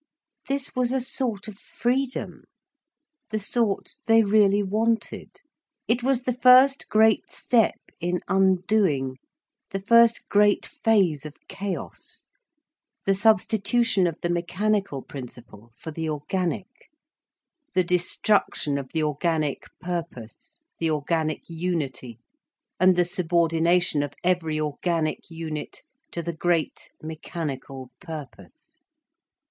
This was a sort of freedom, the sort they really wanted. It was the first great step in undoing, the first great phase of chaos, the substitution of the mechanical principle for the organic, the destruction of the organic purpose, the organic unity, and the subordination of every organic unit to the great mechanical purpose.